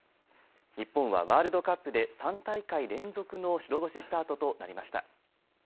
日本はワールドカップで３大会連続の白星スタートとなりました。